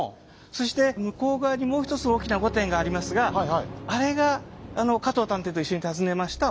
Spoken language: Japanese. そして向こう側にもう一つ大きな御殿がありますがあれが加藤探偵と一緒に訪ねました